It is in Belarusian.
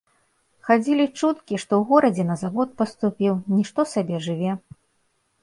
Хадзілі чуткі, што ў горадзе на завод паступіў, нішто сабе жыве.